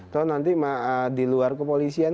atau nanti di luar kepolisian